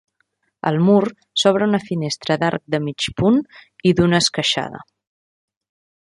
Al mur s'obre una finestra d'arc de mig punt i d'una esqueixada.